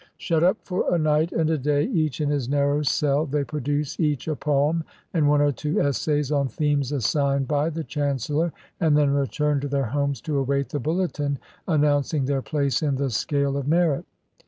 Shut up for a night and a day, each in his narrow cell, they produce each a poem and one or two essays on themes assigned by the chancellor, and then return to their homes to await the bulletin announcing their place in the scale of merit.